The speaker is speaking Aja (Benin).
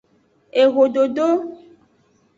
Exododo.